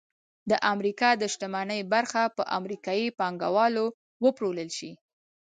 د امریکا د شتمنۍ برخه په امریکايي پانګوالو وپلورل شي